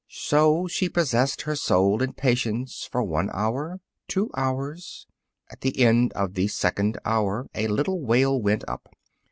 So she possessed her soul in patience for one hour, two hours. At the end of the second hour, a little wail went up.